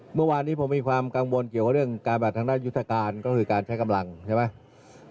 เมื่อวานนี้ผมมีความกังวลเกี่ยวกับเรื่องการบัดทางด้านยุทธการก็คือการใช้กำลังใช่ไหม